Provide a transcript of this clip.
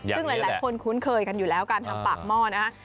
ซึ่งหลายคนคุ้นเคยกันอยู่แล้วการทำปากหม้อนะฮะ